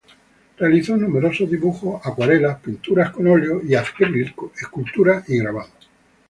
Realizó numerosos dibujos, acuarelas, pinturas con óleo y acrílico, esculturas y grabados.